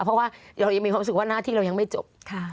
เพราะว่าเรายังมีความรู้สึกว่าหน้าที่เรายังไม่จบ